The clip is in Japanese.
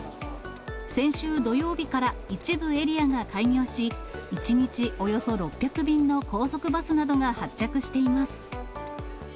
先週土曜日から一部エリアが開業し、１日およそ６００便の高速バスなどが発着しています。